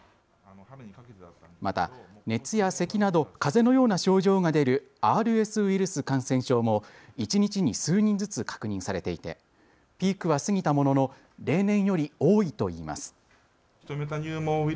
また熱やせきなどかぜのような症状が出るＲＳウイルス感染症も一日に数人ずつ確認されていてピークは過ぎたものの例年より多いといいます。